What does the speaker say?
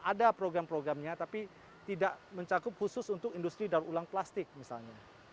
ada program programnya tapi tidak mencakup khusus untuk industri daur ulang plastik misalnya